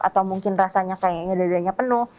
atau mungkin rasanya kayaknya dadanya penuh